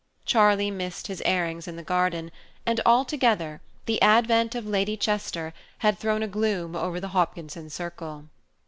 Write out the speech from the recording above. Charlie missed his airings in the garden, and altogether the advent of Lady Chester had thrown a gloom over the Hopkinson circle.